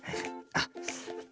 あっ。